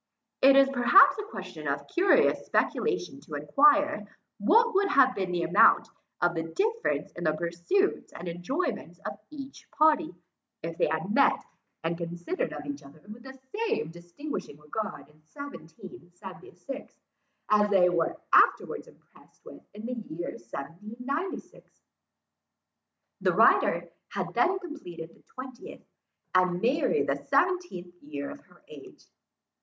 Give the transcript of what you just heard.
It is perhaps a question of curious speculation to enquire, what would have been the amount of the difference in the pursuits and enjoyments of each party, if they had met, and considered each other with the same distinguishing regard in 1776, as they were afterwards impressed with in the year 1796. The writer had then completed the twentieth, and Mary the seventeenth year of her age.